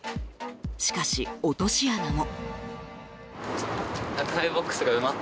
しかし、落とし穴も。